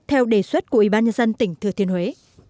theo đề xuất của ủy ban nhân dân tỉnh thừa thiên huế